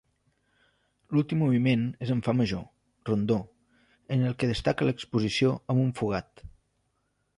L'últim moviment és en fa major, Rondó, en el que destaca l'exposició amb un fugat.